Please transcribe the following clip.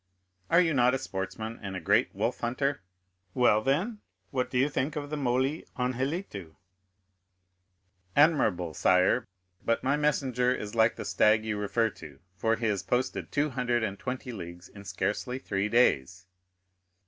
Are you not a sportsman and a great wolf hunter? Well, then, what do you think of the molli anhelitu?" "Admirable, sire; but my messenger is like the stag you refer to, for he has posted two hundred and twenty leagues in scarcely three days."